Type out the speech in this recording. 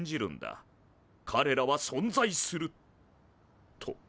かれらは存在すると。